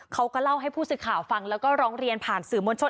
เขาก็เล่าให้ผู้สื่อข่าวฟังแล้วก็ร้องเรียนผ่านสื่อมวลชน